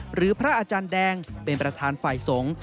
พระอาจารย์แดงเป็นประธานฝ่ายสงฆ์